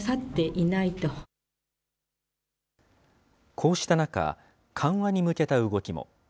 こうした中、緩和に向けた動きも。